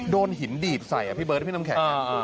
โดนหินดีดใส่อ่ะพี่เบิร์ดพี่น้ำแข็ง